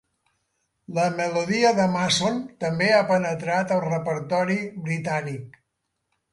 La melodia de Mason també ha penetrat el repertori britànic.